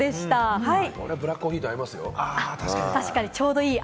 ブラックコーヒーと合いますよ。